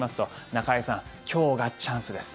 中居さん、今日がチャンスです。